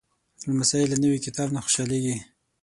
لمسی له نوي کتاب نه خوشحالېږي.